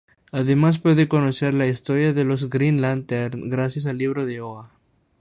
Además puede conocer la historia de los Green Lantern gracias al libro de Oa.